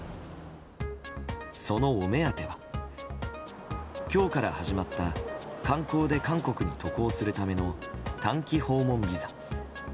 そのお目当ては今日から始まった観光で韓国に渡航するための短期訪問ビザ。